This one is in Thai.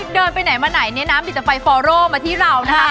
เดินไปไหนมาไหนเนี่ยนะมีแต่ไฟฟอโร่มาที่เรานะฮะ